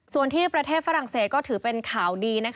ส่วนที่ประเทศฝรั่งเศสก็ถือเป็นข่าวดี